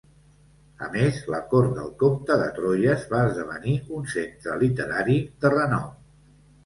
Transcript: A més, la cort del comte de Troyes va esdevenir un centre literari de renom.